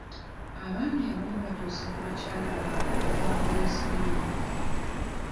Abaami abamu batuusa ku bakyala baabwe ogw'obuliisamaanyi.